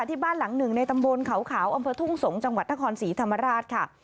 ที่บ้านหลังหนึ่งในตำบลเขาขาวอำเภอทุ่งสงศ์จังหวัดนครศรีธรรมราชค่ะ